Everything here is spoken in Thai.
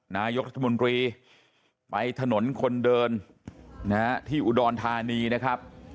นายกรัฐมนตรีไปถนนคนเดินนะฮะที่อุดรธานีนะครับ